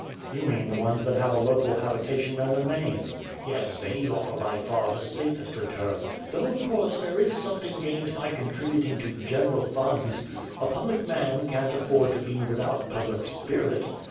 "You mean the ones that have a local habitation and a name." "Yes; they offer by far the safest return, though of course there is something gained by contributing to general funds. A public man can't afford to be without public spirit.